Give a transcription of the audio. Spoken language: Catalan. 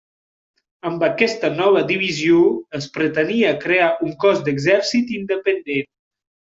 Amb aquesta nova divisió es pretenia crear un cos d'exèrcit independent.